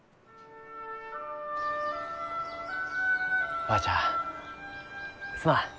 おばあちゃんすまん。